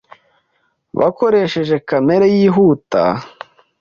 Bakoresheje kamera yihuta.